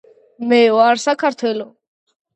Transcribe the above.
მე ვარ საქართველო